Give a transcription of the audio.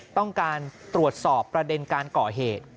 ต้องการตรวจสอบประเด็นการก่อเหตุ